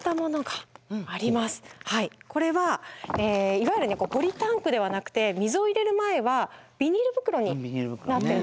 これはいわゆるポリタンクではなくて水を入れる前はビニール袋になってるんですね。